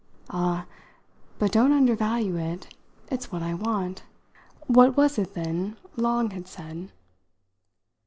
"Ah, but don't undervalue it: it's what I want! What was it then Long had said?"